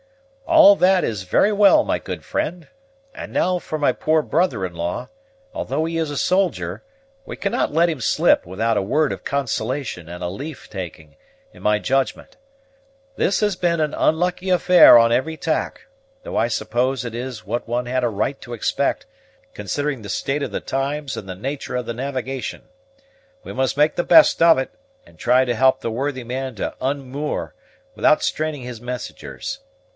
"All that is very well, my good friend. And now for my poor brother in law: though he is a soldier, we cannot let him slip without a word of consolation and a leave taking, in my judgment. This has been an unlucky affair on every tack; though I suppose it is what one had a right to expect, considering the state of the times and the nature of the navigation. We must make the best of it, and try to help the worthy man to unmoor, without straining his messengers.